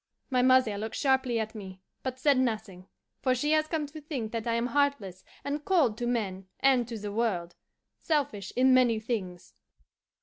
My mother looked sharply at me, but said nothing, for she has come to think that I am heartless and cold to men and to the world, selfish in many things."